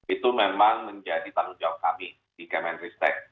itu memang menjadi tanggung jawab kami di kemenristek